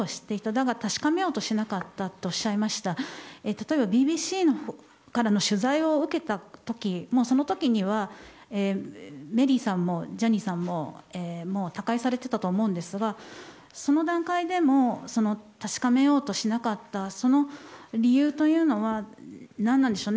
だが、確かめようとしなかったとおっしゃいましたが、例えばＢＢＣからの取材を受けた時にはメリーさんもジャニーさんも他界されていたと思うんですがその段階でも確かめようとしなかったその理由というのは何なんでしょう。